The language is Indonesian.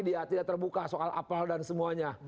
dia tidak terbuka soal apel dan semuanya